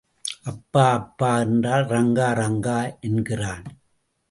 அப்பா அப்பா என்றால், ரங்கா ரங்கா என்கிறான்.